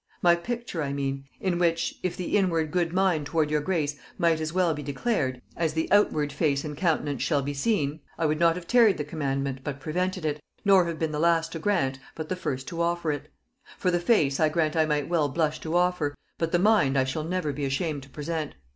My picture I mean: in which, if the inward good mind toward your grace might as well be declared, as the outward face and countenance shall be seen, I would not have tarried the commandment but prevented it, nor have been the last to grant but the first to offer it. For the face I grant I might well blush to offer, but the mind I shall never be ashamed to present.